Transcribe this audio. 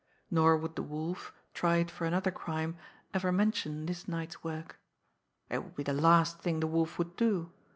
Nor would the Wolf, tried for another crime, ever mention this night's work. It would be the last thing the Wolf would do.